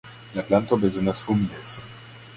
La planto bezonas humidecon.